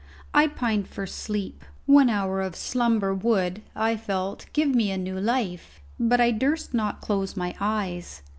I pined for sleep; one hour of slumber would, I felt, give me new life, but I durst not close my eyes.